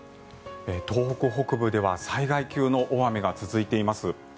東北北部では災害級の大雨が続いています。